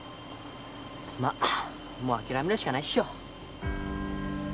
まあもう諦めるしかないっしょ。